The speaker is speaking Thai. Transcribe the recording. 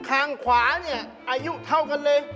ข้างขวาเนี่ยอายุเท่ากันเลย